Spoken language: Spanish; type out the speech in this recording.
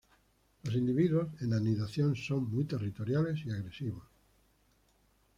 Los individuos en anidación son muy territoriales y agresivos.